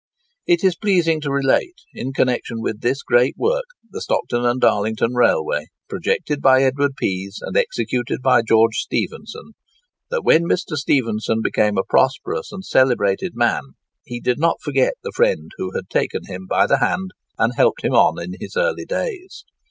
It is pleasing to relate, in connexion with this great work—the Stockton and Darlington Railway, projected by Edward Pease and executed by George Stephenson—that when Mr. Stephenson became a prosperous and a celebrated man, he did not forget the friend who had taken him by the hand, and helped him on in his early days.